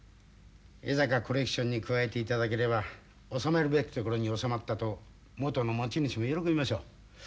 江坂コレクションに加えていただければおさめるべき所におさまったと元の持ち主も喜びましょう。